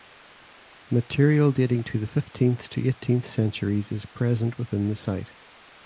Material dating to the fifteenth to eighteenth centuries is present within the site.